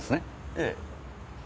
ええ。